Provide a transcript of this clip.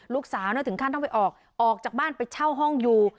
ลูกสาวเนี่ยถึงขั้นต้องไปออกออกจากบ้านไปเช่าห้องอยู่